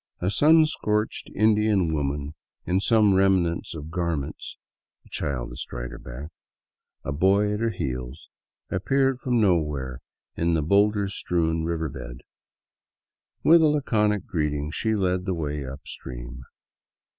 A sun scorched Indian woman 216 THE WILDS OF NORTHERN PERU in some remnants of garments, a child astride her back, a boy at her heels, appeared from nowhere in the boulder strewn river bed. With a laconic greeting, she led the way up stream.